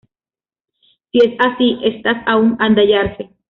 Si es así, estas aún han de hallarse.